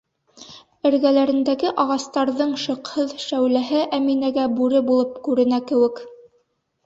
Эргәләрендәге ағастарҙың шыҡһыҙ шәүләһе Әминәгә бүре булып күренә кеүек.